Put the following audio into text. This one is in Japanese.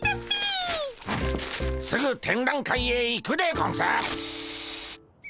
すぐ展覧会へ行くでゴンス！